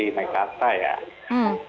ya saya ingin menanyakan